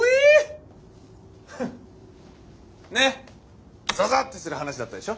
ねっゾゾッてする話だったでしょ？